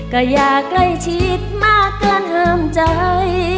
ก็อย่าใกล้ชิดมากเกินห้ามใจ